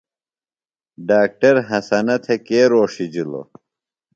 ڈاکٹر حسنہ تھےۡ کے رھوݜِجِلوۡ ؟